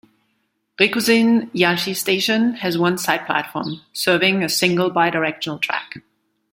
Rikuzen-Yachi Station has one side platform, serving a single bi-directional track.